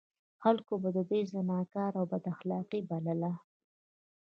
خلکو به دوی زناکار او بد اخلاق بلل.